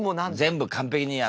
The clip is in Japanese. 全部完璧に。